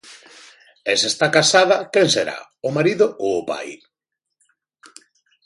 E, se está casada, ¿quen será?, ¿o marido ou o pai?